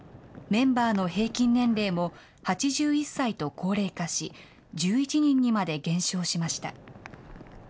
メンバーの平均年齢も８１歳と高齢化し、１１人にまで減少しました。